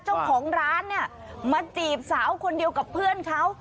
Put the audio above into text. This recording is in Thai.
เจ้าของร้านเนี่ยมาจีบสาวคนเดียวกับเพื่อนเขา